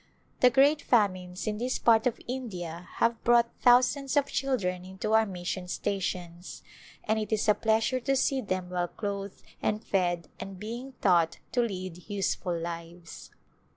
The great famines in this part of India have brought thousands of children into our mission stations, and it is a pleasure to see them well clothed and fed and being taught to lead useful lives.